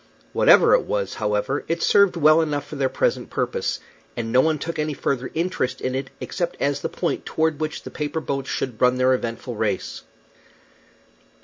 Whatever it was, however, it served well enough for their present purpose, and no one took any further interest in it, except as the point toward which the paper boats should run in their eventful race.